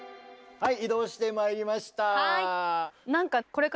はい。